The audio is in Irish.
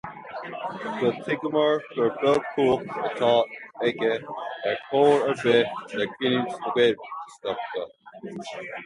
Gur thuigeamar gur beag cumhacht atá aige ar chor ar bith maidir le cinniúint na Gaeltachta.